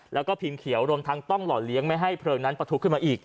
แล้วก็พิมพ์เขียวรวมทั้งต้องหล่อเลี้ยงไม่ให้เพลิงนั้นประทุขึ้นมาอีก